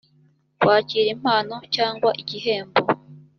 kwakira impano cyangwa igihembo